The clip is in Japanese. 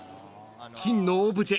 ［金のオブジェ